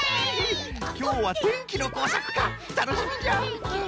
きょうはてんきのこうさくかたのしみじゃ。